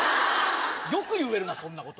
よく言えるなそんなこと。